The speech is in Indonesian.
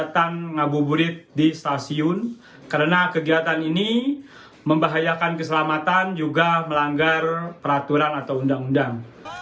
kegiatan ngabuburit di stasiun karena kegiatan ini membahayakan keselamatan juga melanggar peraturan atau undang undang